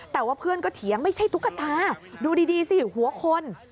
แต่ว่าเพื่อนก็เถียงไม่ใช่ตุ๊กตาดูดีสิหัวคน